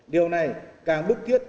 điều này càng bức thiết